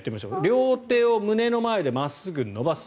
両手を胸の前で真っすぐ伸ばす。